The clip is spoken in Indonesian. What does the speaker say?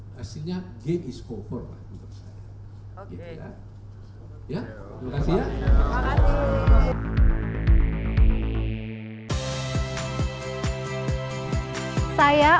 hasilnya game is over lah